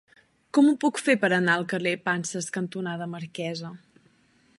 Com ho puc fer per anar al carrer Panses cantonada Marquesa?